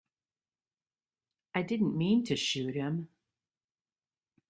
I didn't mean to shoot him.